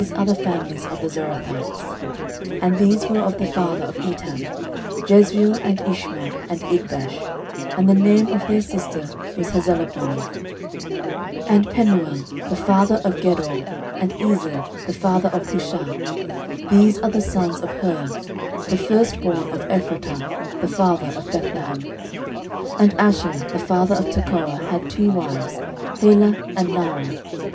13:004:003 And these were of the father of Etam; Jezreel, and Ishma, and Idbash: and the name of their sister was Hazelelponi: 13:004:004 And Penuel the father of Gedor, and Ezer the father of Hushah. These are the sons of Hur, the firstborn of Ephratah, the father of Bethlehem. 13:004:005 And Ashur the father of Tekoa had two wives, Helah and Naarah.